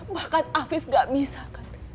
bahkan afif gak bisa kan